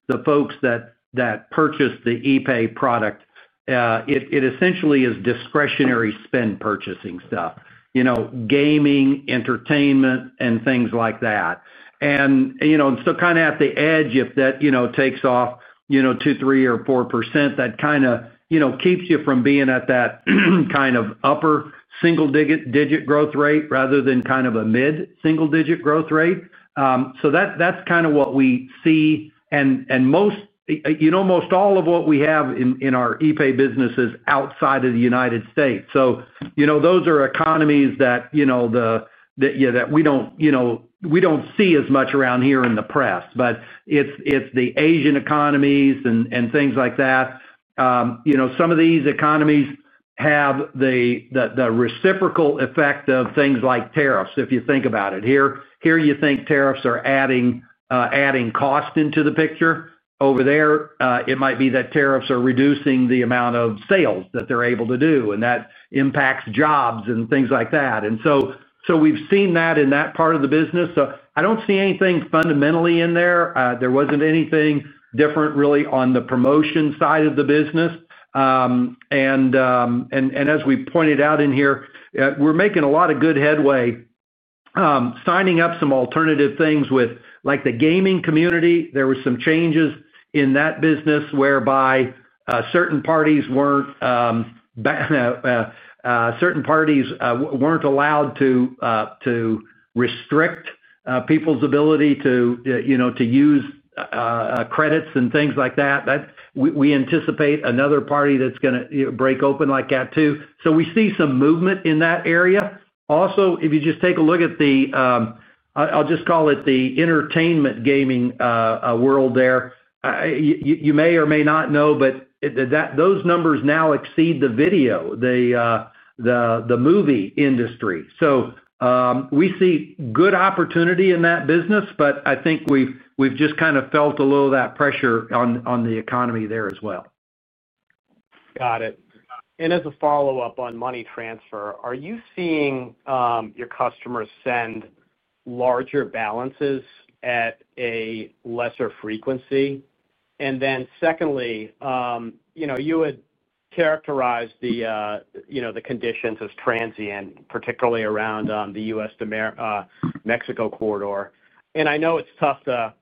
folks that purchase the epay product, it essentially is discretionary spend purchasing stuff, gaming, entertainment, and things like that. At the edge, if that takes off, 2%, 3% or 4%, that keeps you from being at that upper single-digit growth rate rather than a mid-single-digit growth rate. That's what we see. Almost all of what we have in our epay business is outside of the United States. Those are economies that we don't see as much around here in the press. It's the Asian economies and things like that. Some of these economies have the reciprocal effect of things like tariffs. If you think about it, here you think tariffs are adding cost into the picture. Over there, it might be that tariffs are reducing the amount of sales that they're able to do, and that impacts jobs and things like that. We've seen that in that part of the business. I don't see anything fundamentally in there. There wasn't anything different really on the promotion side of the business. As we pointed out in here, we're making a lot of good headway signing up some alternative things with the gaming community. There were some changes in that business whereby certain parties weren't allowed to restrict people's ability to use credits and things like that. We anticipate another party that's going to break open like that too. We see some movement in that area. Also, if you just take a look at the, I'll just call it the entertainment gaming world there, you may or may not know, but those numbers now exceed the video, the movie industry. We see good opportunity in that business, but I think we've just kind of felt a little of that pressure on the economy there as well.
Got it. As a follow-up on money transfer, are you seeing your customers send larger balances at a lesser frequency? Secondly, you had characterized the conditions as transient, particularly around the U.S. to Mexico corridor. I know it's tough to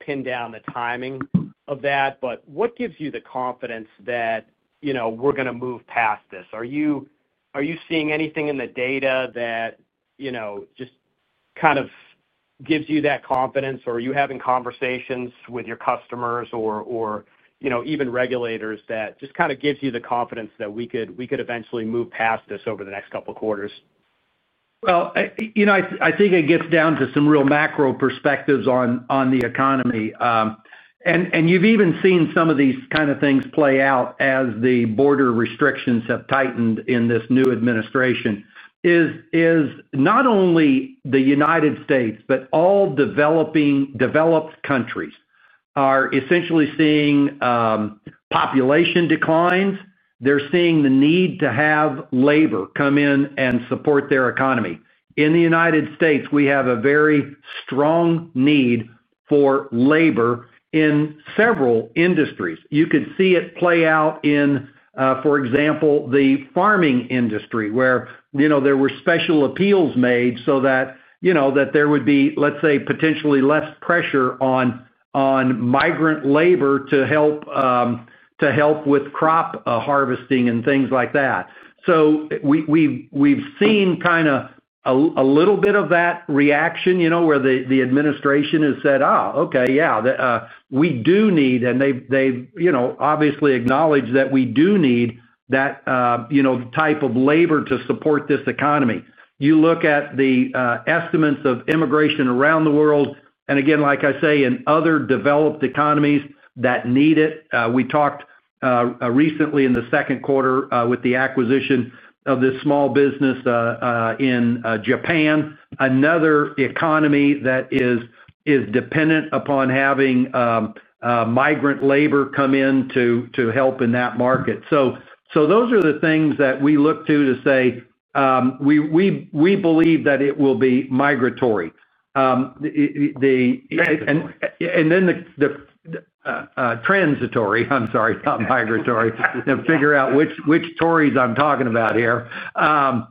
pin down the timing of that, but what gives you the confidence that we're going to move past this? Are you seeing anything in the data that just kind of gives you that confidence, or are you having conversations with your customers or even regulators that just kind of gives you the confidence that we could eventually move past this over the next couple of quarters?
I think it gets down to some real macro perspectives on the economy. You've even seen some of these kind of things play out as the border restrictions have tightened in this new administration. It is not only the United States, but all developed countries are essentially seeing population declines. They're seeing the need to have labor come in and support their economy. In the United States, we have a very strong need for labor in several industries. You could see it play out in, for example, the farming industry, where there were special appeals made so that there would be, let's say, potentially less pressure on migrant labor to help with crop harvesting and things like that. We've seen kind of a little bit of that reaction, where the administration has said, okay, yeah, we do need, and they've obviously acknowledged that we do need that type of labor to support this economy. You look at the estimates of immigration around the world, and again, like I say, in other developed economies that need it. We talked recently in the second quarter with the acquisition of this small business in Japan, another economy that is dependent upon having migrant labor come in to help in that market. Those are the things that we look to to say we believe that it will be migratory. The transitory, I'm sorry, not migratory, figure out which tories I'm talking about here. That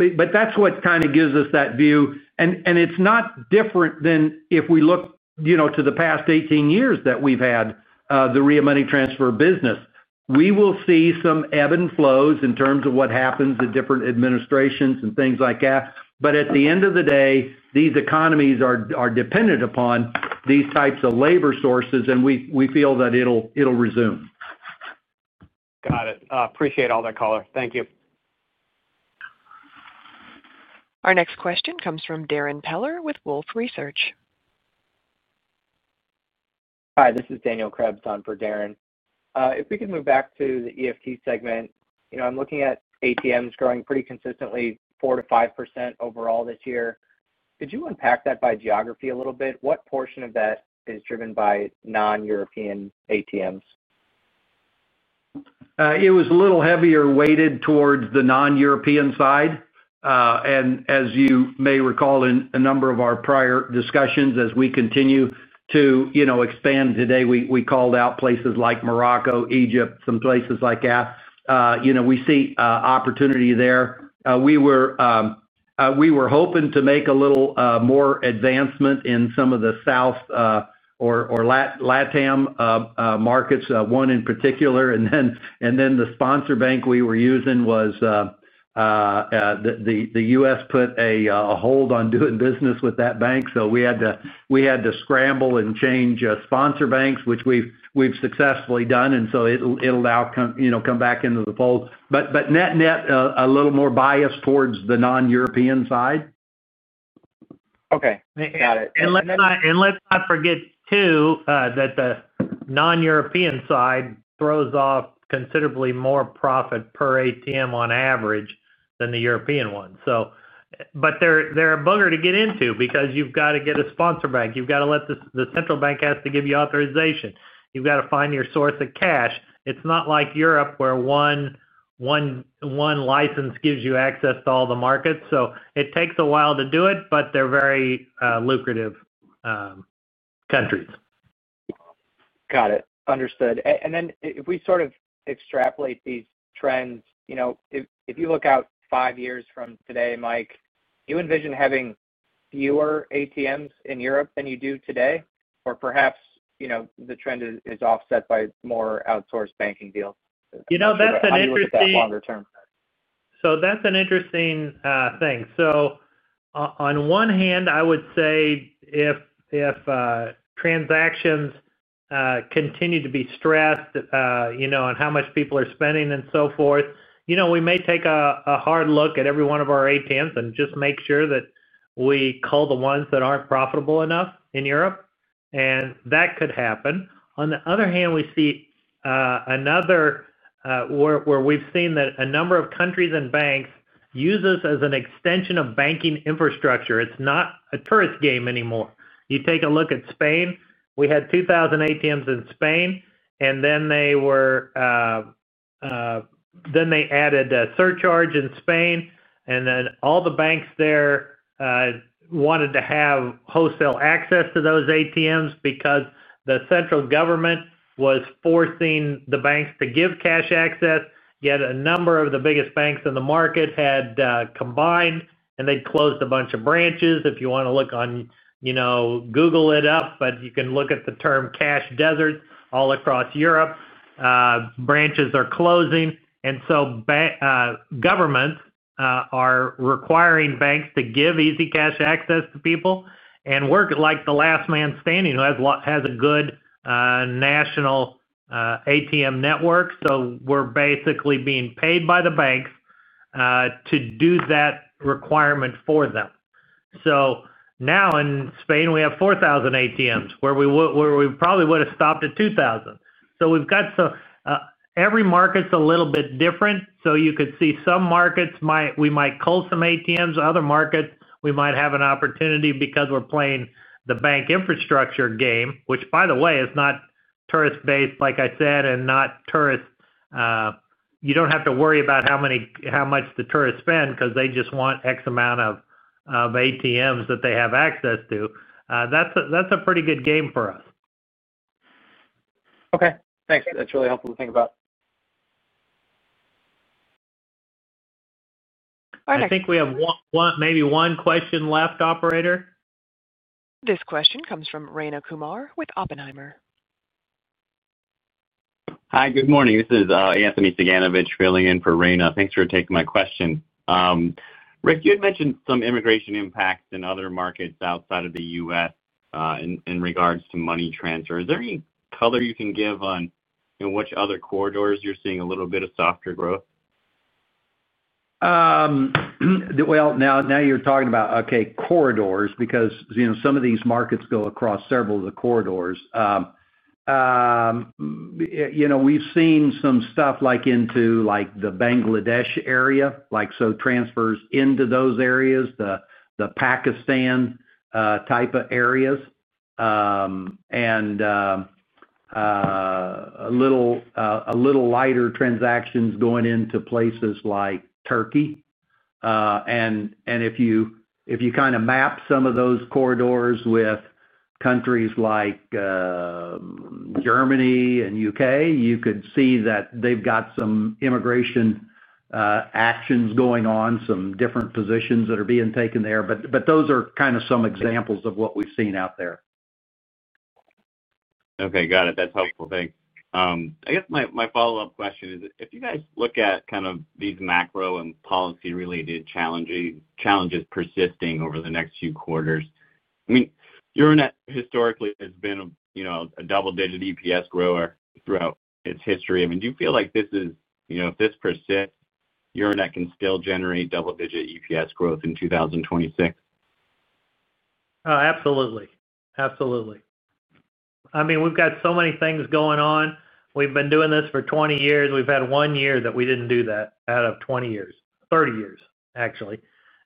is what kind of gives us that view. It is not different than if we look to the past 18 years that we've had the Ria Money Transfer business. We will see some ebb and flows in terms of what happens to different administrations and things like that. At the end of the day, these economies are dependent upon these types of labor sources, and we feel that it'll resume.
Got it. Appreciate all that, Rick. Thank you.
Our next question comes from Darrin Peller with Wolfe Research.
Hi, this is Daniel Krebs on for Darrin. If we could move back to the EFT segment, you know, I'm looking at ATMs growing pretty consistently 4%-5% overall this year. Could you unpack that by geography a little bit? What portion of that is driven by non-European ATMs?
It was a little heavier weighted towards the non-European side. As you may recall in a number of our prior discussions, as we continue to expand today, we called out places like Morocco, Egypt, some places like that. We see opportunity there. We were hoping to make a little more advancement in some of the South or LATAM markets, one in particular. The sponsor bank we were using was the U.S. put a hold on doing business with that bank. We had to scramble and change sponsor banks, which we've successfully done. It'll now come back into the fold. Net-net, a little more biased towards the non-European side.
Okay, got it.
Let's not forget, too, that the non-European side throws off considerably more profit per ATM on average than the European one. They're a booger to get into because you've got to get a sponsor bank. You've got to let the central bank give you authorization. You've got to find your source of cash. It's not like Europe where one license gives you access to all the markets. It takes a while to do it, but they're very lucrative countries.
Got it. Understood. If we sort of extrapolate these trends, you know, if you look out five years from today, Mike, do you envision having fewer ATMs in Europe than you do today? Perhaps, you know, the trend is offset by more outsourced banking deals?
That's an interesting thing. On one hand, I would say if transactions continue to be stressed, on how much people are spending and so forth, we may take a hard look at every one of our ATMs and just make sure that we cull the ones that aren't profitable enough in Europe. That could happen. On the other hand, we've seen that a number of countries and banks use this as an extension of banking infrastructure. It's not a tourist game anymore. You take a look at Spain. We had 2,000 ATMs in Spain, and then they added a surcharge in Spain. All the banks there wanted to have wholesale access to those ATMs because the central government was forcing the banks to give cash access. Yet a number of the biggest banks in the market had combined, and they closed a bunch of branches. If you want to look, you can Google it, but you can look at the term cash deserts all across Europe. Branches are closing. Governments are requiring banks to give easy cash access to people, and we're like the last man standing who has a good national ATM network. We're basically being paid by the banks to do that requirement for them. Now in Spain, we have 4,000 ATMs, where we probably would have stopped at 2,000. Every market's a little bit different. You could see some markets we might cull some ATMs, other markets we might have an opportunity because we're playing the bank infrastructure game, which by the way is not tourist-based, like I said, and not tourists. You don't have to worry about how much the tourists spend because they just want X amount of ATMs that they have access to. That's a pretty good game for us.
Okay, thanks. That's really helpful to think about.
I think we have maybe one question left, operator.
This question comes from Rayna Kumar with Oppenheimer.
Hi, good morning. This is Anthony Cyganovich filling in for Rayna. Thanks for taking my question. Rick, you had mentioned some immigration impacts in other markets outside of the U.S. in regards to money transfer. Is there any color you can give on which other corridors you're seeing a little bit of softer growth?
You're talking about, okay, corridors, because some of these markets go across several of the corridors. You know, we've seen some stuff like into the Bangladesh area, like transfers into those areas, the Pakistan type of areas, and a little lighter transactions going into places like Turkey. If you kind of map some of those corridors with countries like Germany and the U.K., you could see that they've got some immigration actions going on, some different positions that are being taken there. Those are kind of some examples of what we've seen out there.
Okay, got it. That's helpful. Thanks. I guess my follow-up question is, if you guys look at kind of these macro and policy-related challenges persisting over the next few quarters, I mean, Euronet historically has been a double-digit EPS grower throughout its history. I mean, do you feel like this is, you know, if this persists, Euronet can still generate double-digit EPS growth in 2026?
Oh, absolutely. Absolutely. I mean, we've got so many things going on. We've been doing this for 20 years. We've had one year that we didn't do that out of 20 years, 30 years, actually.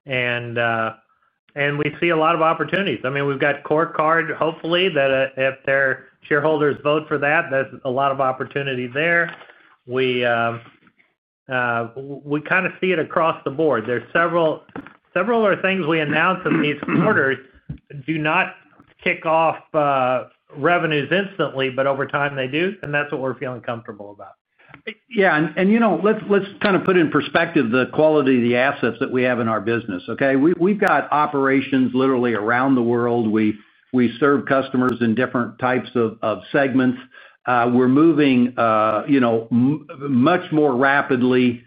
We see a lot of opportunities. I mean, we've got CoreCard, hopefully, that if their shareholders vote for that, there's a lot of opportunity there. We kind of see it across the board. There are several, several other things we announce in these quarters that do not kick off revenues instantly, but over time they do, and that's what we're feeling comfortable about.
Yeah, and you know, let's kind of put in perspective the quality of the assets that we have in our business. Okay, we've got operations literally around the world. We serve customers in different types of segments. We're moving, you know, much more rapidly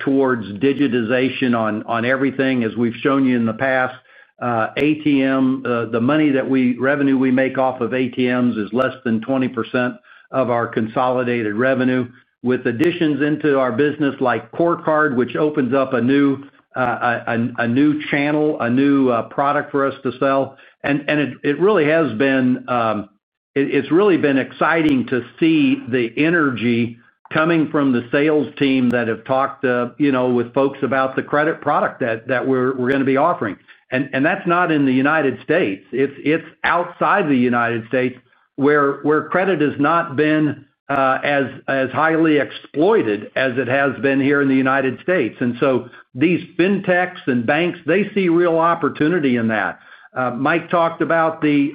towards digitization on everything, as we've shown you in the past. The money that we revenue we make off of ATMs is less than 20% of our consolidated revenue, with additions into our business like CoreCard, which opens up a new channel, a new product for us to sell. It really has been, it's really been exciting to see the energy coming from the sales team that have talked with folks about the credit product that we're going to be offering. That's not in the United States. It's outside the United States, where credit has not been as highly exploited as it has been here in the United States. These fintechs and banks, they see real opportunity in that. Mike talked about the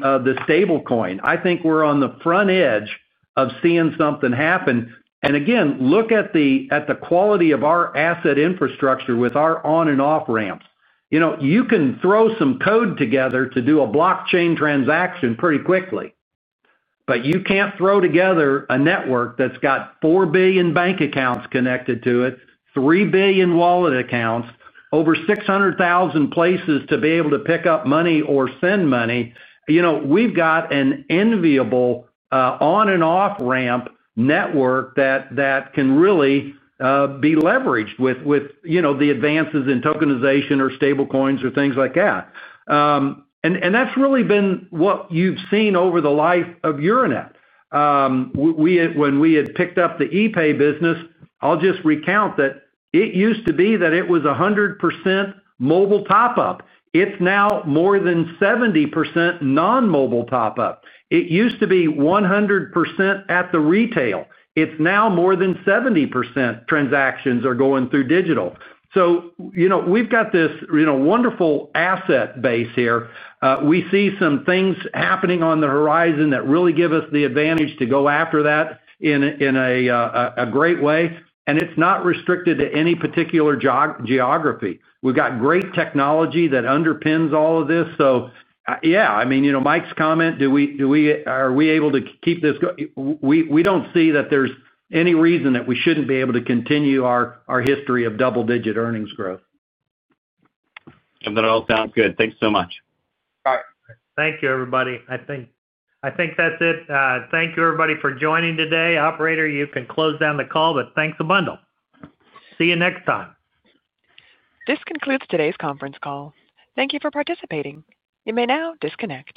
stablecoin. I think we're on the front edge of seeing something happen. Again, look at the quality of our asset infrastructure with our on- and off-ramps. You can throw some code together to do a blockchain transaction pretty quickly. You can't throw together a network that's got 4 billion bank accounts connected to it, 3 billion wallet accounts, over 600,000 places to be able to pick up money or send money. We've got an enviable on- and off-ramp network that can really be leveraged with the advances in tokenization or stablecoins or things like that. That's really been what you've seen over the life of Euronet Worldwide. When we had picked up the epay business, I'll just recount that it used to be that it was 100% mobile top-up. It's now more than 70% non-mobile top-up. It used to be 100% at the retail. It's now more than 70% transactions are going through digital. We've got this wonderful asset base here. We see some things happening on the horizon that really give us the advantage to go after that in a great way. It's not restricted to any particular geography. We've got great technology that underpins all of this. Yeah, I mean, you know, Mike's comment, do we, are we able to keep this going? We don't see that there's any reason that we shouldn't be able to continue our history of double-digit earnings growth.
That all sounds good. Thanks so much.
All right. Thank you, everybody. I think that's it. Thank you, everybody, for joining today. Operator, you can close down the call. Thanks a bundle. See you next time.
This concludes today's conference call. Thank you for participating. You may now disconnect.